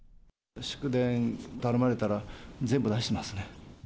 祝電頼まれたら、全部出しますね。